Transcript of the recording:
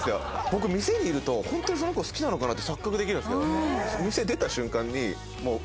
僕店にいると本当にその子好きなのかなって錯覚できるんですけど店出た瞬間にもう我に返るんですよね。